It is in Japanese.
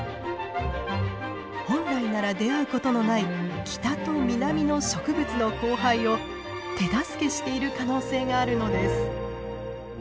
本来なら出会うことのない北と南の植物の交配を手助けしている可能性があるのです。